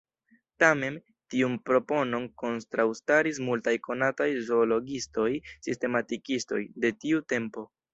Tamen, tiun proponon kontraŭstaris multaj konataj zoologiistoj-sistematikistoj de tiu tempo.